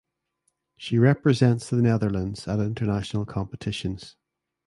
She represents the Netherlands at international competitions.